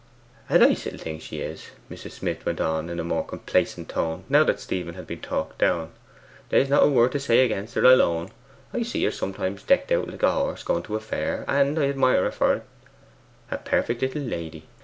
'A nice little thing she is,' Mrs. Smith went on in a more complacent tone now that Stephen had been talked down; 'there's not a word to say against her, I'll own. I see her sometimes decked out like a horse going to fair, and I admire her for't. A perfect little lady.